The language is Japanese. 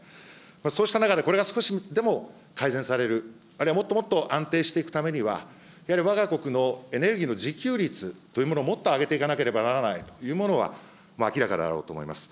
そうした中でこれが少しでも改善される、あるいはもっともっと安定していくためには、やはりわが国のエネルギーの自給率というものをもっと上げていかなければならないというものは明らかだろうと思います。